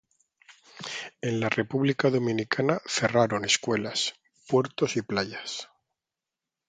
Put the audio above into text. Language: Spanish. En la República Dominicana cerraron escuelas, puertos y playas.